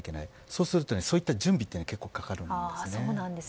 そうすると、そういった準備は結構かかるんですね。